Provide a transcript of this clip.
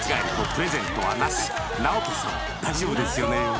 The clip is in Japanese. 大丈夫ですよね？